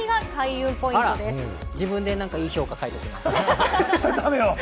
自分でいい評価を書いておきます。